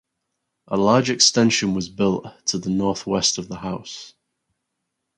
A large extension was built to the north west of the house.